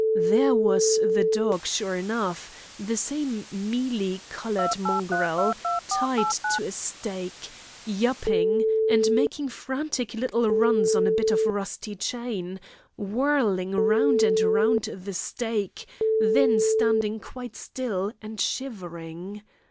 There was the dog sure enough—the same mealy coloured mongrel, tied to a stake, yapping, and making frantic little runs on a bit of rusty chain; whirling round and round the stake, then standing quite still, and shivering.